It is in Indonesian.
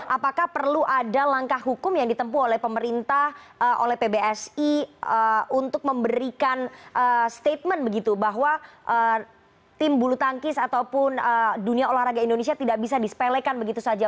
apakah perlu ada langkah hukum yang ditempu oleh pemerintah oleh pbsi untuk memberikan statement begitu bahwa tim bulu tangkis ataupun dunia olahraga indonesia tidak bisa disepelekan begitu saja